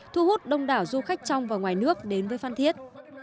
thu hút đông đảo du khách trong và ngoài nước đến với phan thiết